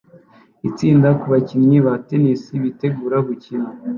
Itsinda kubakinnyi ba tennis bitegura gukina